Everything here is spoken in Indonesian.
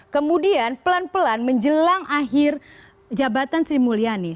kemudian pelan pelan menjelang akhir jabatan sri mulyani